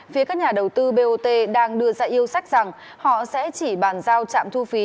phía các nhà đầu tư bot đang đưa ra yêu sách rằng họ sẽ chỉ bàn giao trạm thu phí